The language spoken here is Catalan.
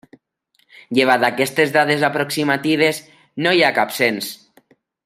Llevat d'aquestes dades aproximatives no hi ha cap cens.